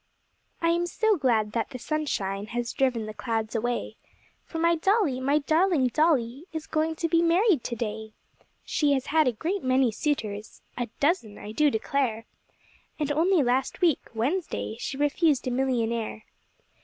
I am so glad that the sunshine has driven the clouds away, For my dolly, my darling dolly, is going to be married to day. She has had a great many suitors a dozen, I do declare And only last week, Wednesday, she refused a millionaire.